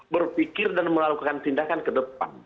berpikir dan melakukan tindakan ke depan